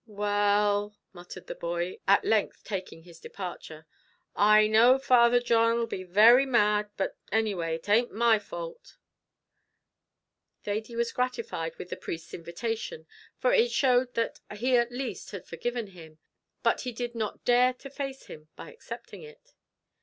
"Well," muttered the boy, at length taking his departure, "I know Father John 'll be very mad, but any way it ain't my fault." Thady was gratified with the priest's invitation, for it showed that he at least had forgiven him; but he did not dare to face him by accepting it.